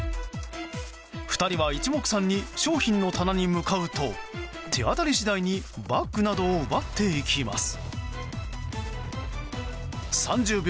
２人は一目散に商品の棚に向かうと手当たり次第にバッグなどを奪っていきます。